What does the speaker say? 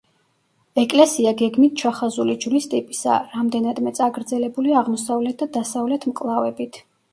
ეკლესია გეგმით ჩახაზული ჯვრის ტიპისაა, რამდენადმე წაგრძელებული აღმოსავლეთ და დასავლეთ მკლავებით.